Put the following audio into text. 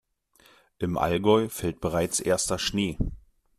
Im Allgäu fällt bereits erster Schnee.